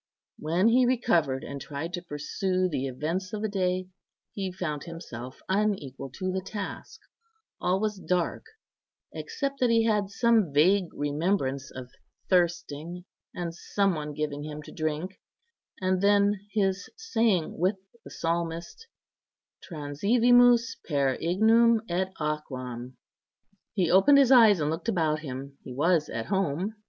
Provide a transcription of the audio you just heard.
When he recovered, and tried to pursue the events of the day, he found himself unequal to the task; all was dark, except that he had some vague remembrance of thirsting, and some one giving him to drink, and then his saying with the Psalmist, "Transivimus per ignem et aquam." He opened his eyes and looked about him. He was at home.